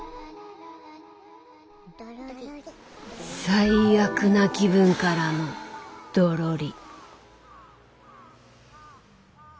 最悪な気分からのドロリ。